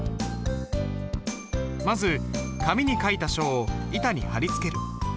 まず紙に書いた書を板に貼り付ける。